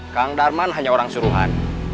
kang darman hanya orang suruhan